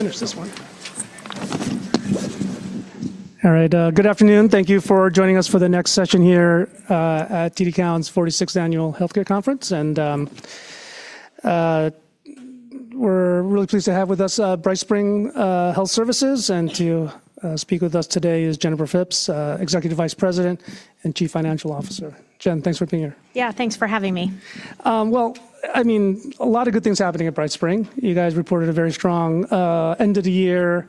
There's this one. All right, good afternoon. Thank you for joining us for the next session here at TD Cowen's 46th Annual Health Care Conference. We're really pleased to have with us BrightSpring Health Services. To speak with us today is Jennifer Phipps, Executive Vice President and Chief Financial Officer. Jennifer, thanks for being here. Thanks for having me. Well, a lot of good things happening at BrightSpring. You everyone reported a very strong end of the year,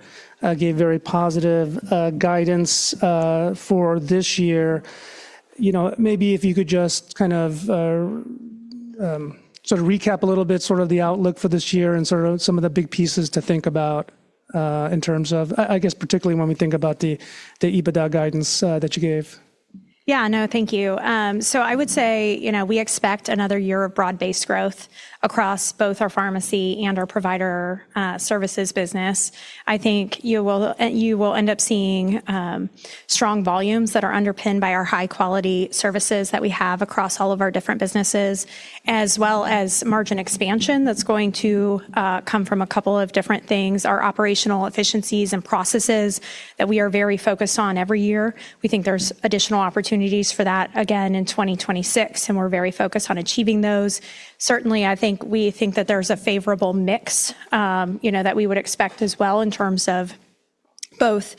gave very positive guidance for this year. Maybe if you could just kind of sort of recap a little bit sort of the outlook for this year and sort of some of the big pieces to think about in terms of. I guess particularly when we think about the EBITDA guidance that you gave. No, thank you. I would say, we expect another year of broad-based growth across both our pharmacy and our provider services business. You will, end up seeing strong volumes that are underpinned by our high-quality services that we have across all of our different businesses, as well as margin expansion that's going to come from a couple of different things, our operational efficiencies and processes that we are very focused on every year. We think there's additional opportunities for that again in 2026, we're very focused on achieving those. Certainly, We think that there's a favorable mix, that we would expect as well in terms of both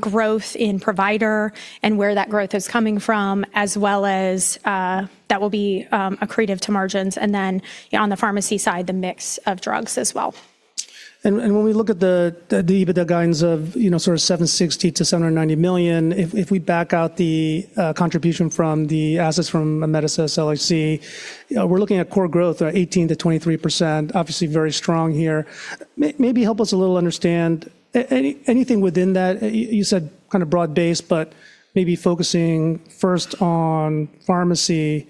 growth in provider and where that growth is coming from, as well as that will be accretive to margins, and then on the pharmacy side, the mix of drugs as well. When we look at the EBITDA guidance of, sort of $760 to 790 million, if we back out the contribution from the assets from Amedisys LLC, we're looking at core growth, 18% to 23%, obviously very strong here. Maybe help us a little understand anything within that. You said kinda broad-based, but maybe focusing first on pharmacy,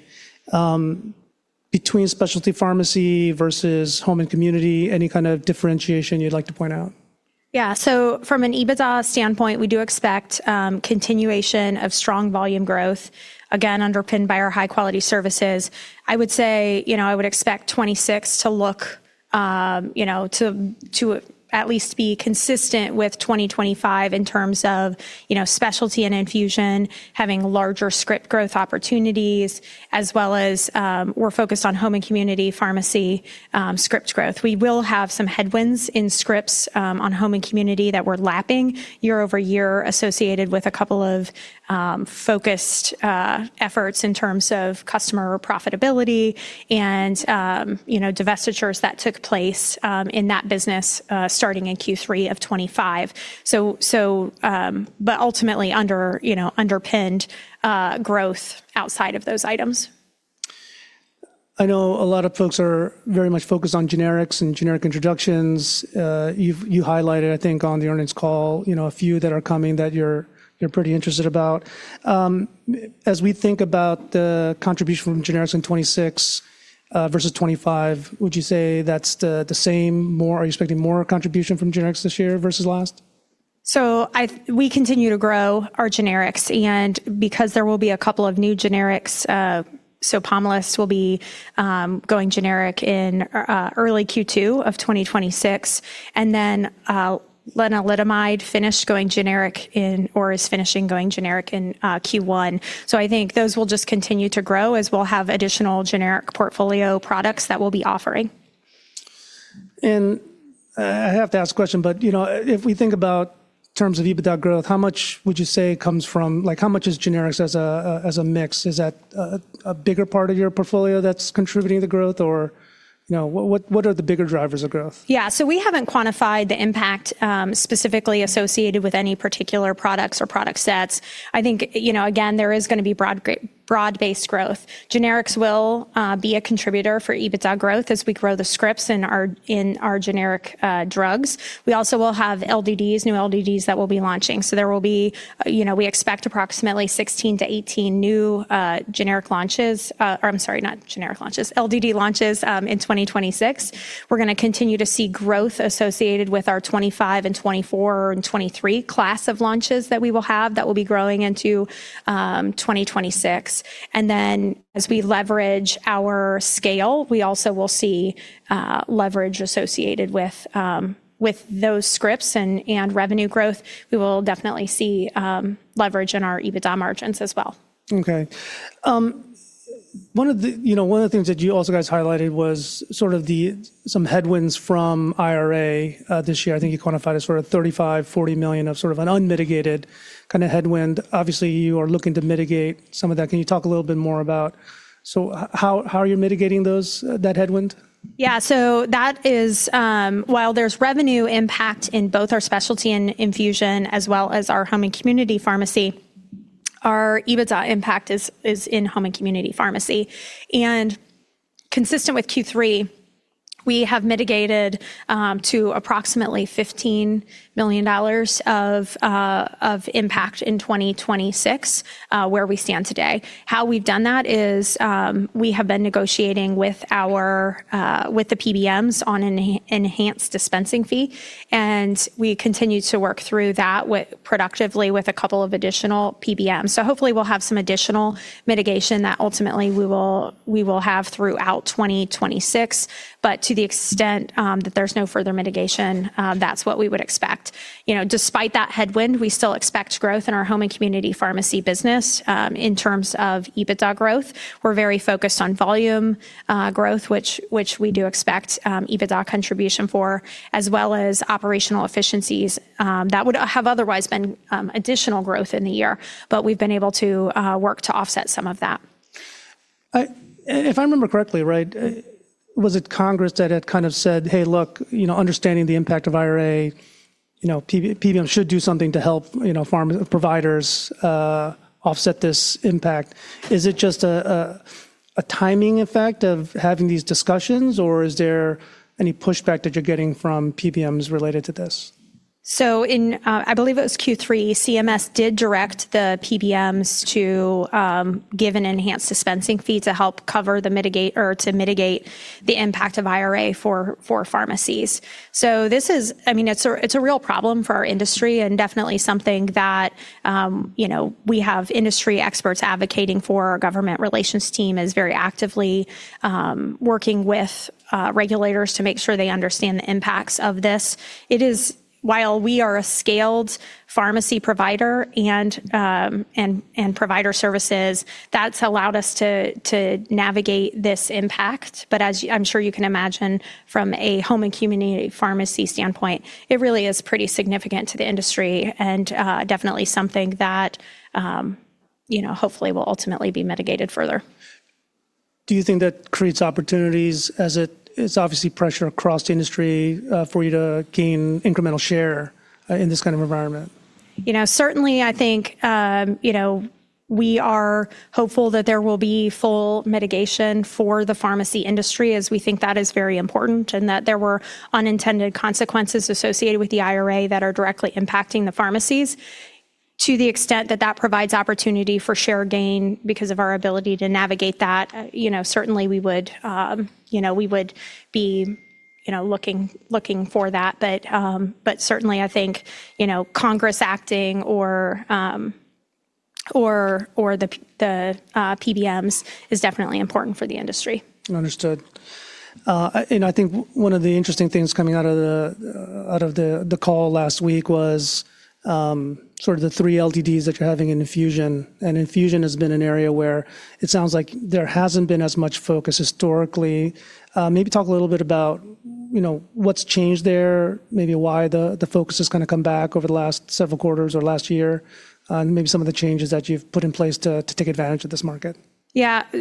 between specialty pharmacy versus home and community, any kind of differentiation you'd like to point out? From an EBITDA standpoint, we do expect continuation of strong volume growth, again, underpinned by our high-quality services. I would expect 2026 to look to at least be consistent with 2025 in terms of specialty and infusion, having larger script growth opportunities, as well as, we're focused on home and community pharmacy script growth. We will have some headwinds in scripts on home and community that we're lapping year-over-year associated with a couple of focused efforts in terms of customer profitability and divestitures that took place in that business starting in Q3 of 2025. Ultimately underpinned growth outside of those items. I know a lot of folks are very much focused on generics and generic introductions. You highlighted on the earnings call, a few that are coming that you're pretty interested about. As we think about the contribution from generics in 2026 versus 2025, would you say that's the same? Are you expecting more contribution from generics this year versus last? We continue to grow our generics. Because there will be a couple of new generics, Pomalyst will be going generic in early Q2 of 2026, and then lenalidomide is finishing going generic in Q1. I think those will just continue to grow as we'll have additional generic portfolio products that we'll be offering. I have to ask a question, you know, if we think about terms of EBITDA growth, how much would you say comes from, Like, how much is generics as a, as a mix? Is that a bigger part of your portfolio that's contributing to growth? what are the bigger drivers of growth? We haven't quantified the impact specifically associated with any particular products or product sets. Again, there is going to be broad-based growth. Generics will be a contributor for EBITDA growth as we grow the scripts in our, in our generic drugs. We also will have LDDs, new LDDs that we will be launching. We expect approximately 16-18 new generic launches, or I'm sorry, not generic launches, LDD launches in 2026. We are going to continue to see growth associated with our 25 and 24 and 23 class of launches that we will have that will be growing into 2026. As we leverage our scale, we also will see leverage associated with those scripts and revenue growth. We will definitely see leverage in our EBITDA margins as well. One of the things that you also guys highlighted was sort of some headwinds from IRA this year. You quantified it as sort of $35 to 40 million of sort of an unmitigated kind of headwind. Obviously, you are looking to mitigate some of that. Can you talk a little bit more about, how are you mitigating those that headwind? That is, while there's revenue impact in both our specialty and infusion as well as our home and community pharmacy, our EBITDA impact is in home and community pharmacy. Consistent with Q3, we have mitigated to approximately $15 million of impact in 2026, where we stand today. How we've done that is, we have been negotiating with our with the PBMs on an e-enhanced dispensing fee, we continue to work through that productively with a couple of additional PBMs. Hopefully we'll have some additional mitigation that ultimately we will have throughout 2026. To the extent that there's no further mitigation, that's what we would expect. You know, despite that headwind, we still expect growth in our home and community pharmacy business in terms of EBITDA growth. We're very focused on volume, growth, which we do expect, EBITDA contribution for, as well as operational efficiencies, that would have otherwise been, additional growth in the year. We've been able to, work to offset some of that. If I remember correctly, right, was it Congress that had kind of said, "Hey, look, you know, understanding the impact of IRA, you know, PBMs should do something to help, you know, providers offset this impact."? Is it just a timing effect of having these discussions, or is there any pushback that you're getting from PBMs related to this? In, I believe it was Q3, CMS did direct the PBMs to give an enhanced dispensing fee to help cover or to mitigate the impact of IRA for pharmacies. I mean, it's a, it's a real problem for our industry, and definitely something that, you know, we have industry experts advocating for. Our government relations team is very actively working with regulators to make sure they understand the impacts of this. While we are a scaled pharmacy provider and provider services, that's allowed us to navigate this impact. As I'm sure you can imagine from a home and community pharmacy standpoint, it really is pretty significant to the industry and definitely something that hopefully will ultimately be mitigated further. Do you think that creates opportunities as it is obviously pressure across the industry, for you to gain incremental share, in this kind of environment? Certainly, we are hopeful that there will be full mitigation for the pharmacy industry as we think that is very important, and that there were unintended consequences associated with the IRA that are directly impacting the pharmacies to the extent that that provides opportunity for share gain because of our ability to navigate that. You know, certainly we would be, you know, looking for that. Certainly ICongress acting or the PBMs is definitely important for the industry. Understood. I think one of the interesting things coming out of the call last week was sort of the three LDDs that you're having in infusion. Infusion has been an area where it sounds like there hasn't been as much focus historically. Maybe talk a little bit about, what's changed there, maybe why the focus has kind of come back over the last several quarters or last year, and maybe some of the changes that you've put in place to take advantage of this market.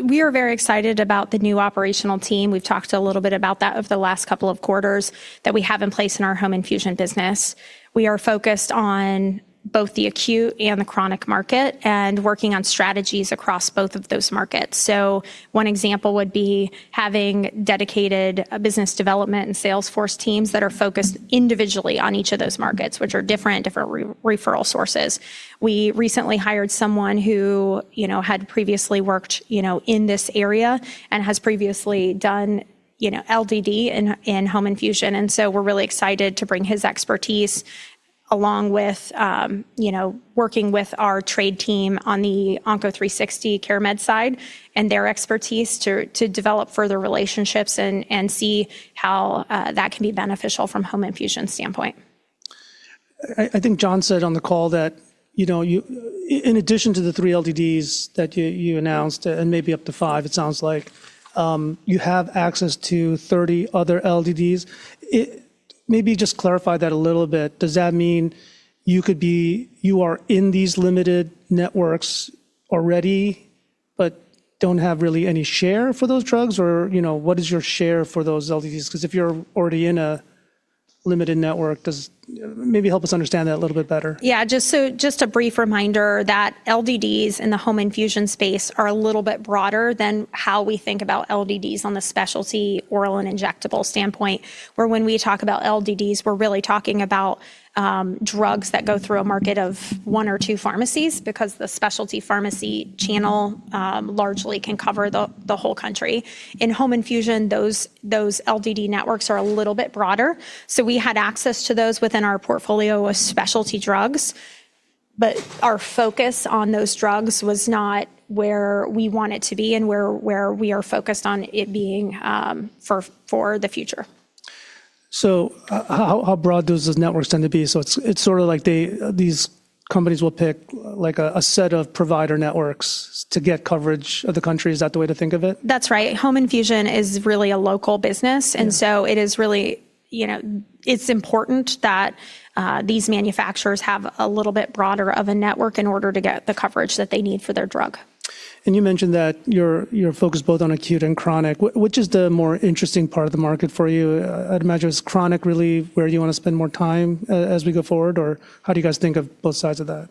We are very excited about the new operational team. We've talked a little bit about that over the last couple of quarters that we have in place in our home infusion business. We are focused on both the acute and the chronic market and working on strategies across both of those markets. One example would be having dedicated business development and sales force teams that are focused individually on each of those markets, which are different re-referral sources. We recently hired someone who, you know, had previously worked in this area and has previously done, you know, LDD in home infusion. We're really excited to bring his expertise along with, working with our trade team on the Onco360 CareMed side and their expertise to develop further relationships and see how that can be beneficial from home infusion standpoint. I think Jon said on the call that in addition to the 3 LDDs that you announced, and maybe up to 5, it sounds like, you have access to 30 other LDDs. Maybe just clarify that a little bit. Does that mean you are in these limited networks already but don't have really any share for those drugs or, you know, what is your share for those LDDs? Because if you're already in a limited network, maybe help us understand that a little bit better. Just a brief reminder that LDDs in the home infusion space are a little bit broader than how we think about LDDs on the specialty oral and injectable standpoint, where when we talk about LDDs, we're really talking about drugs that go through a market of one or two pharmacies because the specialty pharmacy channel largely can cover the whole country. In home infusion, those LDD networks are a little bit broader. We had access to those within our portfolio of specialty drugs, but our focus on those drugs was not where we want it to be and where we are focused on it being for the future. How broad does those networks tend to be? It's sort of like these companies will pick, like, a set of provider networks to get coverage of the country. Is that the way to think of it? That's right. Home infusion is really a local business. Yeah. It is really. it's important that these manufacturers have a little bit broader of a network in order to get the coverage that they need for their drug. You mentioned that you're focused both on acute and chronic. Which is the more interesting part of the market for you? I'd imagine it's chronic really where you want to spend more time as we go forward, or how do you guys think of both sides of that?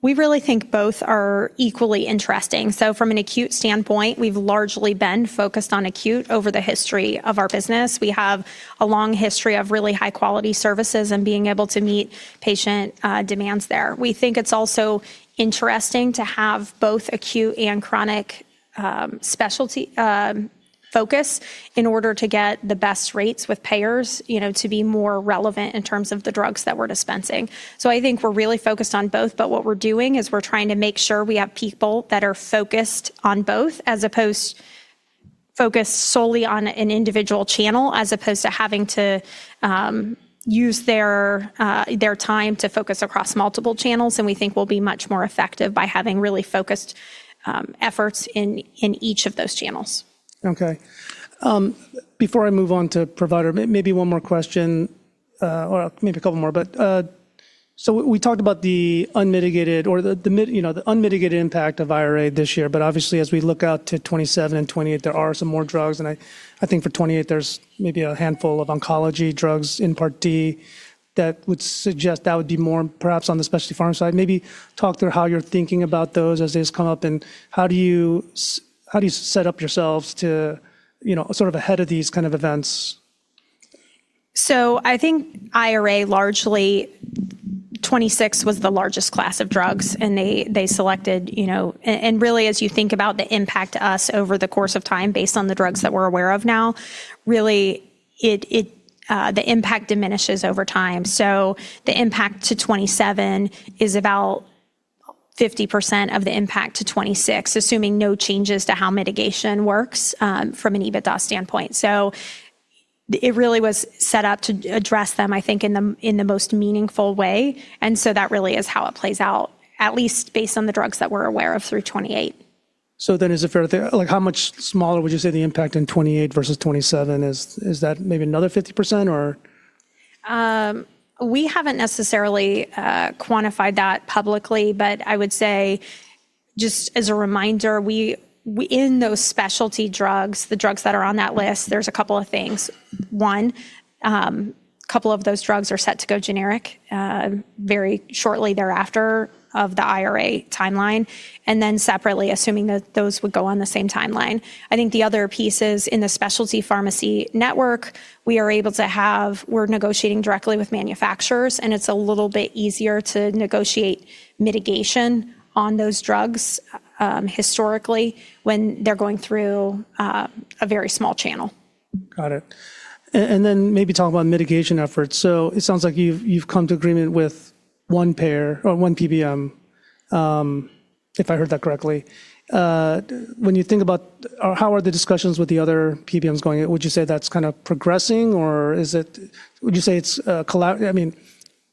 We really think both are equally interesting. From an acute standpoint, we've largely been focused on acute over the history of our business. We have a long history of really high-quality services and being able to meet patient demands there. We think it's also interesting to have both acute and chronic specialty focus in order to get the best rates with payers, you know, to be more relevant in terms of the drugs that we're dispensing. I think we're really focused on both, but what we're doing is we're trying to make sure we have people that are focused on both focused solely on an individual channel, as opposed to having to use their time to focus across multiple channels. We think we'll be much more effective by having really focused efforts in each of those channels. Okay. Before I move on to provider, maybe one more question, or maybe a couple more. We, we talked about the unmitigated or the, you know, the unmitigated impact of IRA this year. Obviously, as we look out to 2027 and 2028, there are some more drugs. I think for 2028, there's maybe a handful of oncology drugs in Part D that would suggest that would be more perhaps on the specialty pharmacy side. Maybe talk through how you're thinking about those as they come up, and how do you set up yourselves to, you know, sort of ahead of these kind of events? I think IRA largely 2026 was the largest class of drugs, and they selected, you know. Really, as you think about the impact to us over the course of time based on the drugs that we're aware of now, really it, the impact diminishes over time. The impact to 2027 is about 50% of the impact to 2026, assuming no changes to how mitigation works from an EBITDA standpoint. It really was set up to address them, I think, in the most meaningful way, and so that really is how it plays out, at least based on the drugs that we're aware of through 2028. Is it fair to say, like, how much smaller would you say the impact in 2028 versus 2027 is? Is that maybe another 50% or? We haven't necessarily quantified that publicly, I would say just as a reminder, we in those specialty drugs, the drugs that are on that list, there's a couple of things. One, couple of those drugs are set to go generic very shortly thereafter of the IRA timeline. Separately, assuming that those would go on the same timeline. I think the other piece is in the specialty pharmacy network, we are able to have we're negotiating directly with manufacturers. It's a little bit easier to negotiate mitigation on those drugs, historically when they're going through a very small channel. Got it. Then maybe talk about mitigation efforts. It sounds like you've come to agreement with one payer or one PBM, if I heard that correctly. When you think about. How are the discussions with the other PBMs going? Would you say that's kinda progressing, or would you say it's a collab? I mean,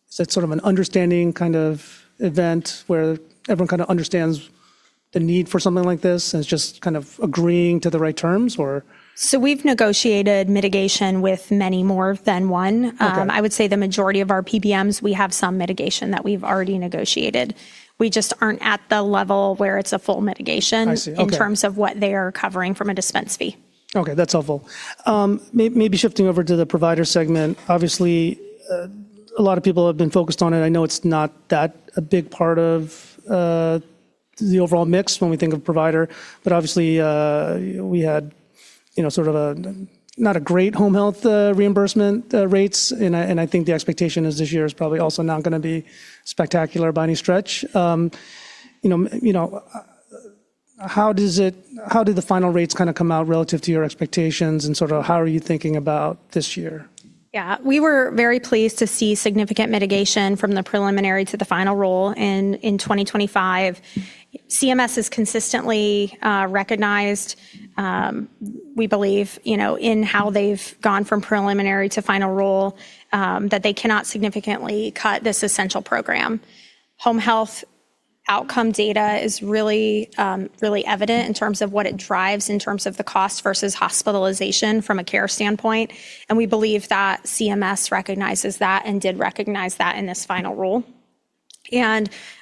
is that sort of an understanding kinda event where everyone kinda understands the need for something like this and it's just kind of agreeing to the right terms or? We've negotiated mitigation with many more than one. Okay. I would say the majority of our PBMs, we have some mitigation that we've already negotiated. We just aren't at the level where it's a full mitigation. I see. Okay. In terms of what they are covering from a dispense fee. Okay, that's helpful. Maybe shifting over to the provider segment. Obviously, a lot of people have been focused on it. I know it's not that a big part of the overall mix when we think of provider, but obviously, we had, you know, sort of a, not a great home health reimbursement rates. I think the expectation is this year is probably also not gonna be spectacular by any stretch. You know, how did the final rates kinda come out relative to your expectations, and sort of how are you thinking about this year? We were very pleased to see significant mitigation from the preliminary to the final rule in 2025. CMS has consistently recognized, you know, in how they've gone from preliminary to final rule that they cannot significantly cut this essential program. Home health outcome data is really evident in terms of what it drives in terms of the cost versus hospitalization from a care standpoint, and we believe that CMS recognizes that and did recognize that in this final rule.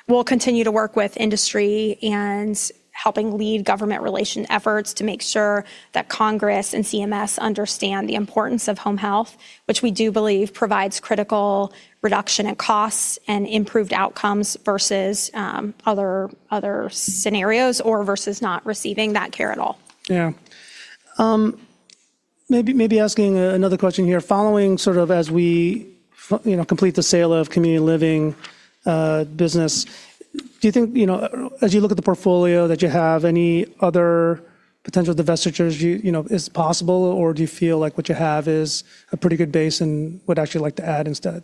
We'll continue to work with industry and helping lead government relation efforts to make sure that Congress and CMS understand the importance of home health, which we do believe provides critical reduction in costs and improved outcomes versus other scenarios or versus not receiving that care at all. Maybe asking another question here. Following sort of as we you know, complete the sale of Community Living, business, do you think, you know, as you look at the portfolio that you have, any other potential divestitures you know, is possible, or do you feel like what you have is a pretty good base and would actually like to add instead?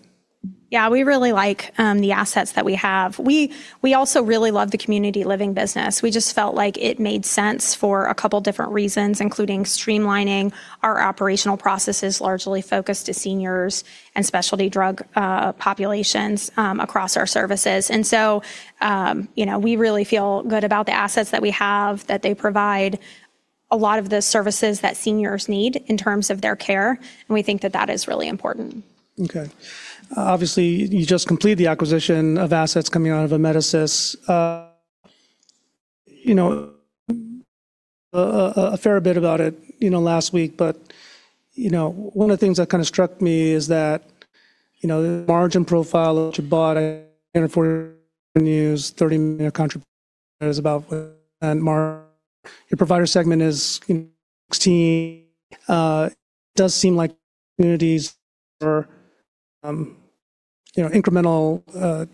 We really like the assets that we have. We also really love the Community Living business. We just felt like it made sense for a couple different reasons, including streamlining our operational processes largely focused to seniors and specialty drug populations across our services. You know, we really feel good about the assets that we have, that they provide a lot of the services that seniors need in terms of their care. We think that that is really important. Okay. Obviously, you just completed the acquisition of assets coming out of Amedisys. You know, a fair bit about it, you know, last week. You know, one of the things that kinda struck me is that, you know, the margin profile which you bought and for revenues, $30 million contribution is about. Your provider segment is 16%. Does seem like communities are, you know, incremental,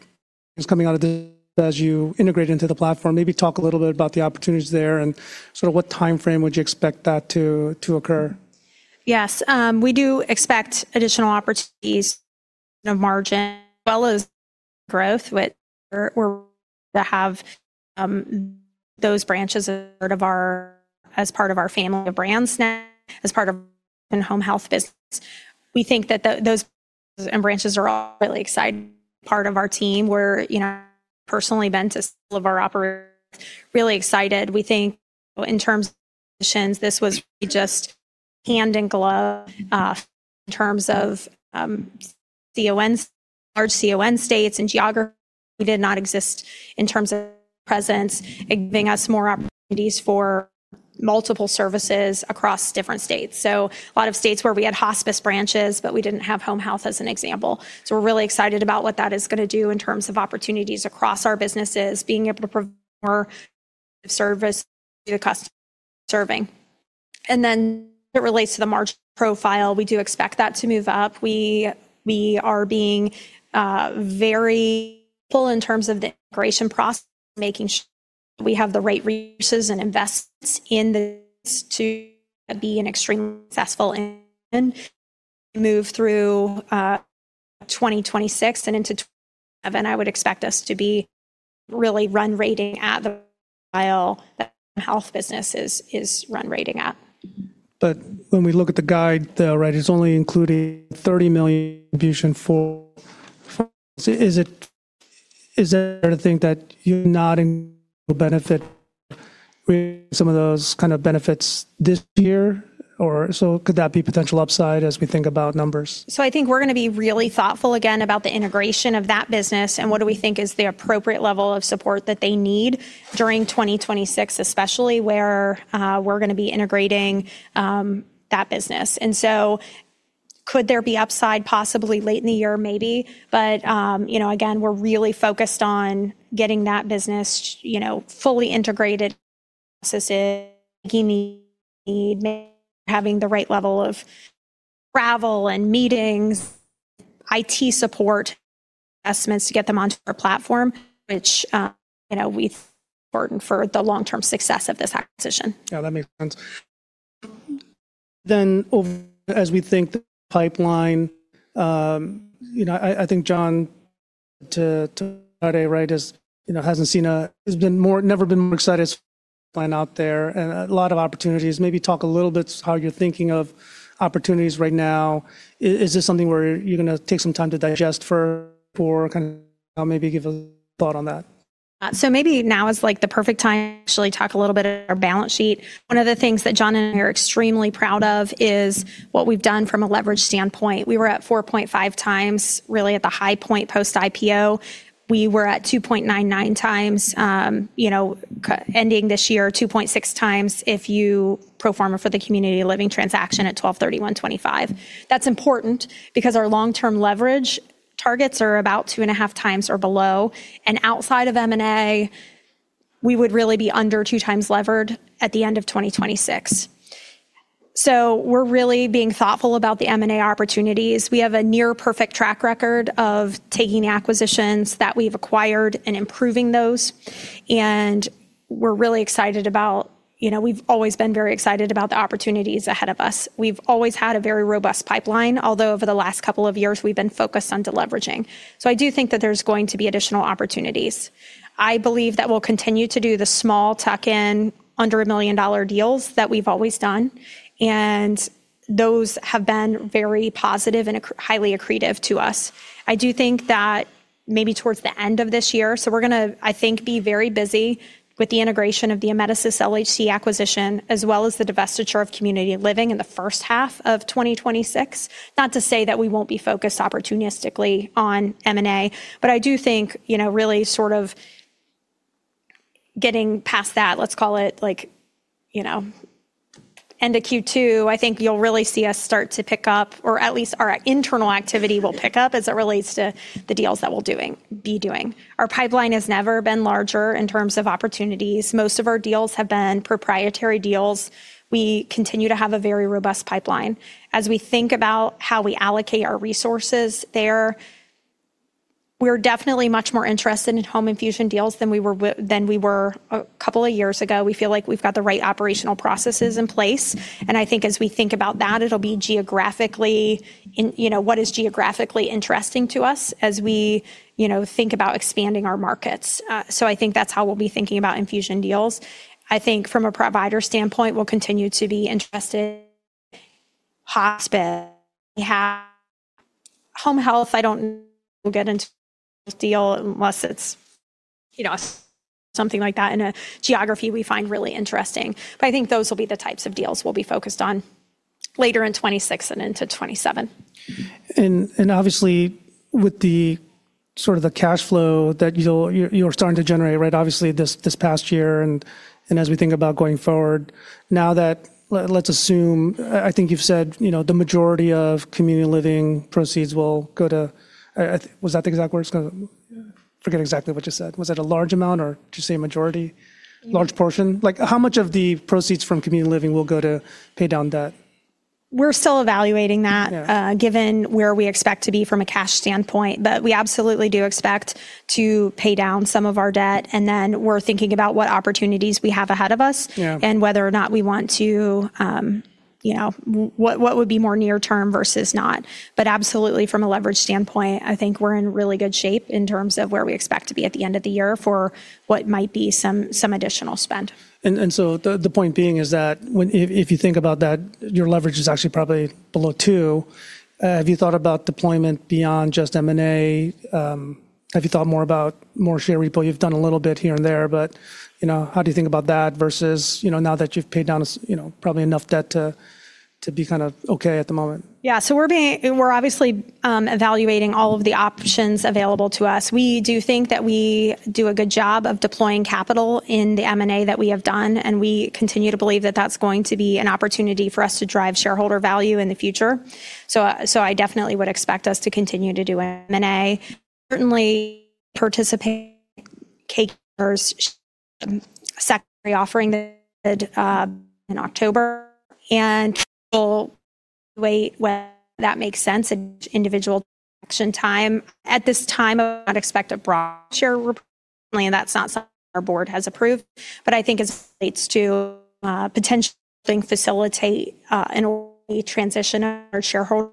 is coming out of this as you integrate into the platform. Maybe talk a little bit about the opportunities there and sort of what timeframe would you expect that to occur? Yes. We do expect additional opportunities in the margin as well as growth to have those branches as part of our family of brands now, as part of in-home health business. We think that those and branches are all really exciting part of our team. We're, you know, personally been to some of our operations, really excited. We think in terms of positions, this was just hand in glove in terms of CONs, large CON states and geography. We did not exist in terms of presence, giving us more opportunities for multiple services across different states. A lot of states where we had hospice branches, but we didn't have home health as an example. We're really excited about what that is gonna do in terms of opportunities across our businesses, being able to provide more service to the customer serving. It relates to the margin profile. We do expect that to move up. We are being very full in terms of the integration process, making sure we have the right resources and investments in this to be an extreme successful and move through 2026 and into. I would expect us to be really run rating at the while the health business is run rating up. When we look at the guide, though, right, it's only including $30 million contribution for. Is it, is there anything that you're not in benefit with some of those kind of benefits this year, or so could that be potential upside as we think about numbers? We're gonna be really thoughtful again about the integration of that business and what do we think is the appropriate level of support that they need during 2026, especially where we're gonna be integrating that business. Could there be upside possibly late in the year? Maybe. You know, again, we're really focused on getting that business, you know, fully integrated, assessing, having the right level of travel and meetings, IT support estimates to get them onto our platform, which, you know, we've burdened for the long-term success of this acquisition. That makes sense. As we think the pipeline, you know, I think Jon to Friday, right, has, you know, never been more excited by not there and a lot of opportunities. Maybe talk a little bit how you're thinking of opportunities right now. Is this something where you're gonna take some time to digest for kinda maybe give a thought on that? Maybe now is, like, the perfect time to actually talk a little bit of our balance sheet. One of the things that Jon and I are extremely proud of is what we've done from a leverage standpoint. We were at 4.5 times, really at the high point post-IPO. We were at 2.99 times, you know, ending this year, 2.6 times if you pro forma for the Community Living transaction at 12/31/2025. That's important because our long-term leverage targets are about two and a half times or below. Outside of M&A, we would really be under 2 times levered at the end of 2026. We're really being thoughtful about the M&A opportunities. We have a near perfect track record of taking acquisitions that we've acquired and improving those. We're really excited about, you know, we've always been very excited about the opportunities ahead of us. We've always had a very robust pipeline, although over the last couple of years, we've been focused on deleveraging. I do think that there's going to be additional opportunities. I believe that we'll continue to do the small tuck in under $1 million deals that we've always done, and those have been very positive and highly accretive to us. I do think that maybe towards the end of this year, we're going to, I think, be very busy with the integration of the Amedisys LHC acquisition, as well as the divestiture of Community Living in the first half of 2026. Not to say that we won't be focused opportunistically on M&A, but I do think, you know, really sort of getting past that, let's call it like, you know, end of Q2, I think you'll really see us start to pick up, or at least our internal activity will pick up as it relates to the deals that we're be doing. Our pipeline has never been larger in terms of opportunities. Most of our deals have been proprietary deals. We continue to have a very robust pipeline. As we think about how we allocate our resources there, we're definitely much more interested in home infusion deals than we were than we were a couple of years ago. We feel like we've got the right operational processes in place, and I think as we think about that, it'll be geographically in, you know, what is geographically interesting to us as we, you know, think about expanding our markets. I think that's how we'll be thinking about infusion deals. I think from a provider standpoint, we'll continue to be interested hospital. We have home health, I don't get into deal unless it's, you know, something like that in a geography we find really interesting. I think those will be the types of deals we'll be focused on. Later in 2026 and into 2027. Obviously with the sort of the cash flow that you're starting to generate, right? Obviously, this past year and as we think about going forward, now that let's assume I think you've said, you know, the majority of Community Living proceeds will go to. I Was that the exact words? Yeah. Forget exactly what you said. Was it a large amount or did you say a majority? Yeah. Large portion. Like, how much of the proceeds from Community Living will go to pay down debt? We're still evaluating that. Yeah. given where we expect to be from a cash standpoint. We absolutely do expect to pay down some of our debt, and then we're thinking about what opportunities we have ahead of us. Yeah. Whether or not we want to, you know, what would be more near term versus not. Absolutely, from a leverage standpoint, I think we're in really good shape in terms of where we expect to be at the end of the year for what might be some additional spend. So the point being is that if you think about that, your leverage is actually probably below 2. Have you thought about deployment beyond just M&A? Have you thought more about more share repo? You've done a little bit here and there, but, you know, how do you think about that versus, you know, now that you've paid down as, you know, probably enough debt to be kind of okay at the moment? We're obviously evaluating all of the options available to us. We do think that we do a good job of deploying capital in the M&A that we have done, and we continue to believe that that's going to be an opportunity for us to drive shareholder value in the future. I definitely would expect us to continue to do M&A. Certainly participate secondary offering that in October and wait when that makes sense at individual time. At this time, I would not expect a broad share repo, and that's not something our board has approved. I think as it relates to potentially facilitate an transition our shareholders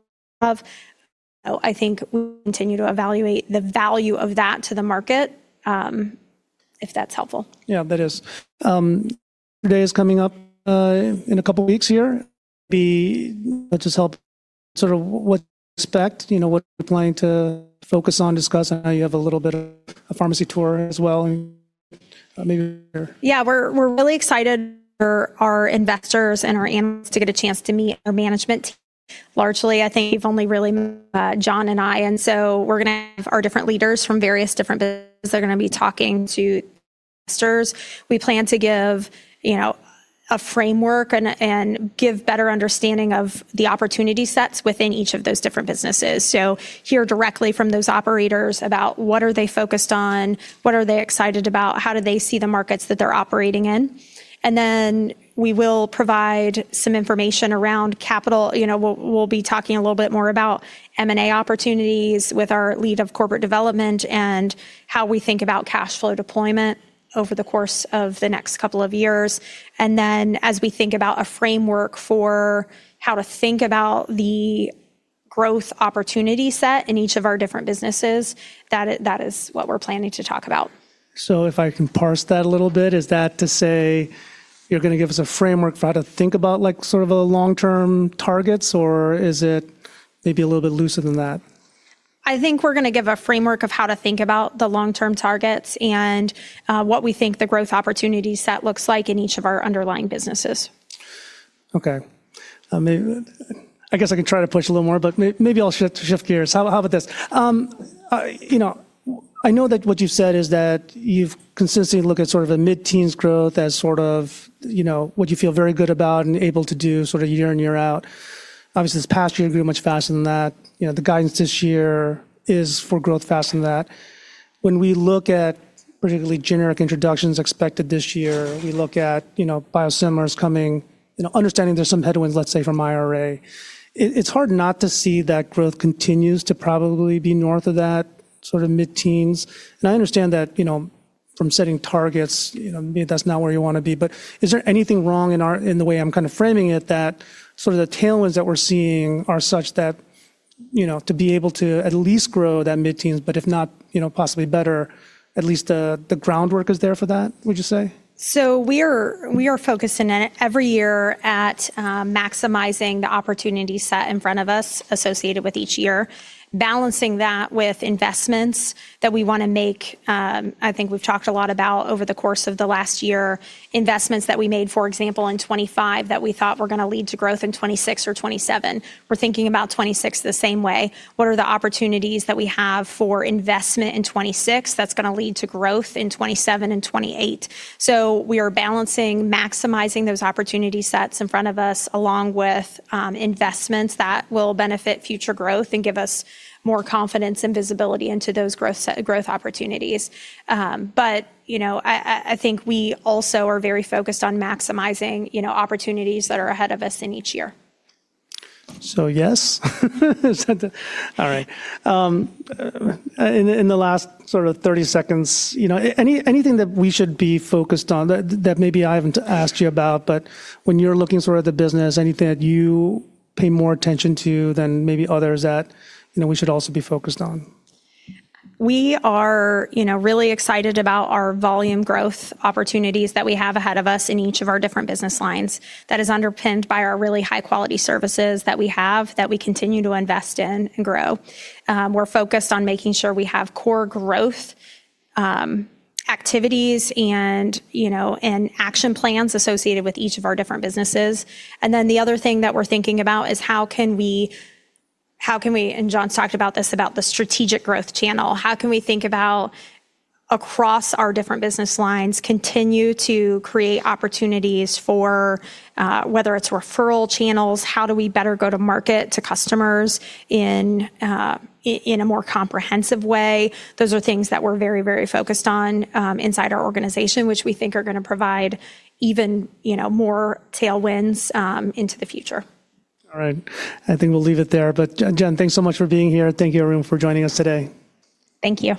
have, I think we continue to evaluate the value of that to the market, if that's helpful. That is. Today is coming up in a couple weeks here. Let's just help sort of what to expect, you know, what you're planning to focus on, discuss. I know you have a little bit of a pharmacy tour as well, and maybe We're really excited for our investors and our analysts to get a chance to meet our management team. Largely, I think you've only really met Jon and I. We're gonna have our different leaders from various different businesses. They're gonna be talking to investors. We plan to give, you know, a framework and give better understanding of the opportunity sets within each of those different businesses. Hear directly from those operators about what are they focused on, what are they excited about, how do they see the markets that they're operating in. We will provide some information around capital. You know, we'll be talking a little bit more about M&A opportunities with our lead of corporate development and how we think about cash flow deployment over the course of the next couple of years. As we think about a framework for how to think about the growth opportunity set in each of our different businesses, that is what we're planning to talk about. If I can parse that a little bit, is that to say you're gonna give us a framework for how to think about like sort of a long-term targets, or is it maybe a little bit looser than that? We're gonna give a framework of how to think about the long-term targets and what we think the growth opportunity set looks like in each of our underlying businesses. Okay. I guess I can try to push a little more, but maybe I'll shift gears. How about this? You know, I know that what you've said is that you've consistently looked at sort of a mid-teens growth as sort of, you know, what you feel very good about and able to do sort of year in, year out. Obviously, this past year grew much faster than that. the guidance this year is for growth faster than that. When we look at particularly generic introductions expected this year, we look at, you know, biosimilars coming, you know, understanding there's some headwinds, let's say, from IRA, it's hard not to see that growth continues to probably be north of that sort of mid-teens. I understand that, you know, from setting targets, you know, maybe that's not where you wanna be. Is there anything wrong in the way I'm kind of framing it that sort of the tailwinds that we're seeing are such that, you know, to be able to at least grow that mid-teens, but if not, you know, possibly better, at least the groundwork is there for that, would you say? We are focusing every year at, maximizing the opportunity set in front of us associated with each year, balancing that with investments that we wanna make. I think we've talked a lot about over the course of the last year, investments that we made, for example, in 2025 that we thought were gonna lead to growth in 2026 or 2027. We're thinking about 2026 the same way. What are the opportunities that we have for investment in 2026 that's gonna lead to growth in 2027 and 2028? We are balancing maximizing those opportunity sets in front of us along with, investments that will benefit future growth and give us more confidence and visibility into those growth opportunities. you know, I think we also are very focused on maximizing, you know, opportunities that are ahead of us in each year. Yes. Is that the... All right. In the last sort of 30 seconds, you know, anything that we should be focused on that maybe I haven't asked you about, but when you're looking sort of the business, anything that you pay more attention to than maybe others that, you know, we should also be focused on? We are, you know, really excited about our volume growth opportunities that we have ahead of us in each of our different business lines that is underpinned by our really high-quality services that we have, that we continue to invest in and grow. We're focused on making sure we have core growth activities and, and action plans associated with each of our different businesses. The other thing that we're thinking about is how can we, and Jon's talked about this, about the strategic growth channel. How can we think about across our different business lines, continue to create opportunities for whether it's referral channels, how do we better go to market to customers in a more comprehensive way? Those are things that we're very, very focused on inside our organization, which we think are gonna provide even, you know, more tailwinds into the future. All right. I think we'll leave it there. Jen, thanks so much for being here. Thank you, everyone, for joining us today. Thank you.